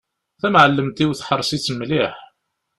Tamεellemt-iw teḥreṣ-itt mliḥ.